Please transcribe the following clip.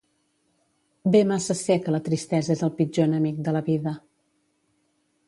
Bé massa sé que la tristesa és el pitjor enemic de la vida.